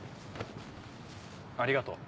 ありがとう。